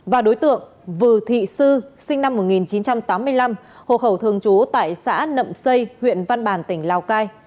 và đối tượng vừa thị sư sinh năm một nghìn chín trăm tám mươi năm hộ khẩu thương chú tại xã nậm xây huyện văn bản tỉnh lào cai